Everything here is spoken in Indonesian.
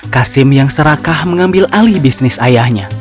kasim yang serakah mengambil alih bisnis ayahnya